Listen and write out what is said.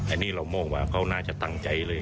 อันนี้เรามองว่าเขาน่าจะตั้งใจเลย